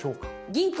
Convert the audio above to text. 銀行！